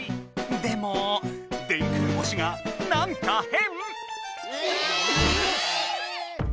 でも「電空星」がなんかへん？え！